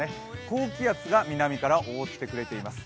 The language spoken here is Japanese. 高気圧が南から覆ってくれています。